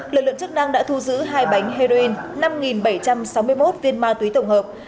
lực lượng chức năng đã thu giữ hai bánh heroin năm bảy trăm sáu mươi một viên ma túy tổng hợp